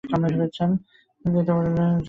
দাঁত দিয়ে নিচের ঠোঁট কামড়ে ধরেছেন।